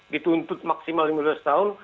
dituntut maksimal lima belas tahun